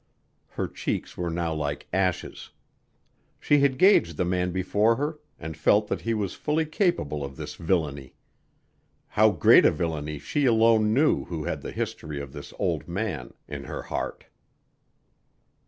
Her cheeks were now like ashes. She had gauged the man before her and felt that he was fully capable of this villainy. How great a villainy she alone knew who had the history of this old man in her heart.